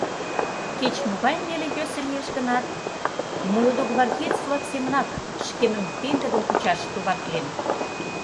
Кеч-могай неле-йӧсӧ лиеш гынат, молодогвардеец-влак семынак шкемым пеҥгыдын кучаш товатлем.